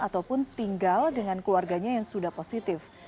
ataupun tinggal dengan keluarganya yang sudah positif